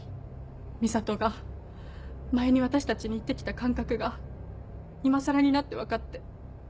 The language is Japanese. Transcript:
美里が前に私たちに言ってきた感覚が今更になって分かって。